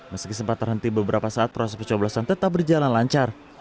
meski sempat terhenti beberapa saat proses pencoblosan tetap berjalan lancar